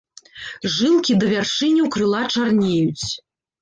Жылкі да вяршыняў крыла чарнеюць.